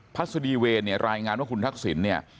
สดีเวรเนี่ยรายงานว่าคุณทักษิณเนี่ย